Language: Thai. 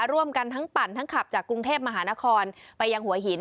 ร่วมกันทั้งปั่นทั้งขับจากกรุงเทพมหานครไปยังหัวหิน